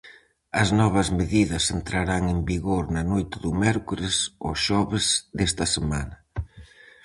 As novas medidas entrarán en vigor na noite do mércores ao xoves desta semana.